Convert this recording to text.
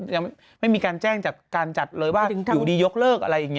ยังไม่มีการแจ้งจากการจัดเลยว่าอยู่ดียกเลิกอะไรอย่างนี้